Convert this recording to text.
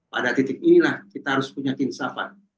pada titik inilah kita harus punya kinsapan